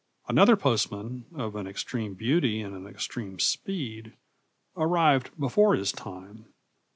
Another postman, of an extreme beauty and an extreme speed, arrived before his time.